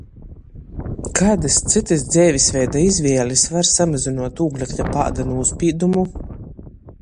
Kaidys cytys dzeivis veida izvēlis var samazynuot ūglekļa pāda nūspīdumu?